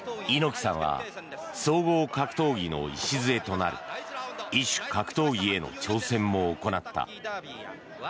猪木さんは総合格闘技の礎となる異種格闘技への挑戦も行った。